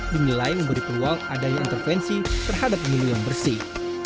dinilai memberi peluang adanya intervensi terhadap pemilu yang bersih